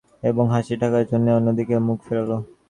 এবং হাসি ঢাকার জন্যে অন্যদিকে মুখ ফেরাল।